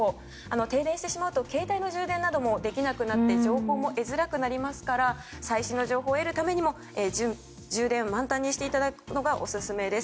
停電してしまうと携帯の充電などもできなくなって情報も得づらくなりますから最新の情報を得るためにも充電を満タンにしていただくのがオススメです。